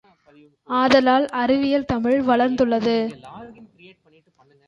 ஆதலால், அறிவியல் தமிழ் வளர்ந்துள்ளது.